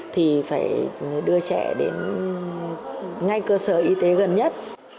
thì phải đưa trẻ đến ngay cơ sở y tế gần nhất